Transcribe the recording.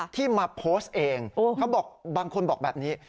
ที่มาโพสต์เองเขาบอกบางคนบอกแบบนี้